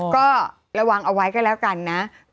ก็ระวังเอาไว้ก็แล้วกันนะ